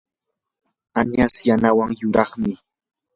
añas yanawan yuraqmi.